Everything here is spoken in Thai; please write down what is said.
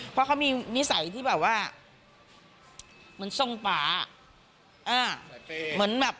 เพราะเขามีนิสัยที่แบบว่าเหมือนทรงป่า